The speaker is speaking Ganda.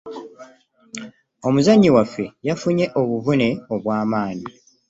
Omuzanyi waffe yafunye obuvune obw'amanyi.